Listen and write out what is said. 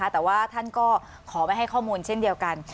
แต่ว่าท่านก็ขอไม่ให้ข้อมูลเช่นเดียวกัน